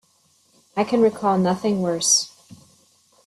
I can recall nothing worse.